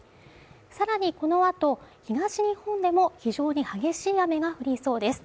さらにこのあと東日本でも非常に激しい雨が降りそうです